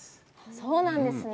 そうなんですね。